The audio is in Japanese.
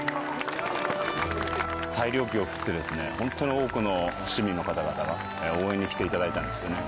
大漁旗を振って、本当に多くの市民の方々が応援に来ていただいたんですよね。